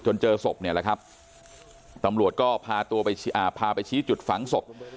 เจอศพเนี่ยแหละครับตำรวจก็พาตัวไปพาไปชี้จุดฝังศพ